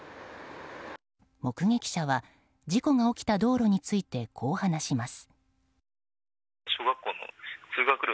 目撃者は事故が起きた道路についてこう話します。